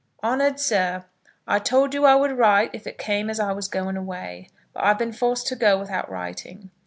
HONOURED SIR, I told you that I would write if it came as I was going away, but I've been forced to go without writing.